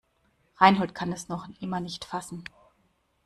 Reinhold kann es noch immer nicht fassen.